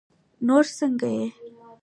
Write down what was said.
نور سنګه یی